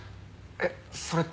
えっそれって。